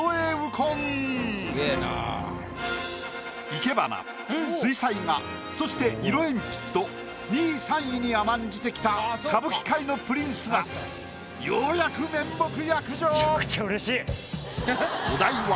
いけばな水彩画そして色鉛筆と２位３位に甘んじてきた歌舞伎界のプリンスがようやく面目躍如！